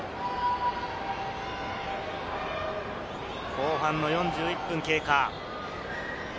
後半の４１分経過。